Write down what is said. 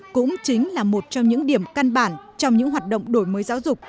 cũng chính là một trong những điểm căn bản trong những hoạt động đổi mới giáo dục